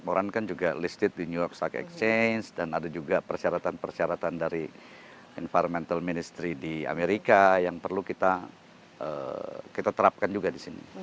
moran kan juga listed di new york surc exchange dan ada juga persyaratan persyaratan dari environmental ministry di amerika yang perlu kita terapkan juga di sini